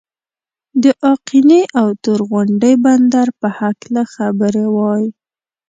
د آقینې او تور غونډۍ بندر په هکله خبرې وای.